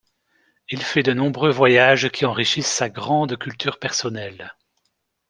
Il fait de nombreux voyage qui enrichisse sa grande culture personnelle.